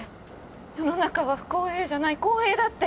世の中は不公平じゃない公平だって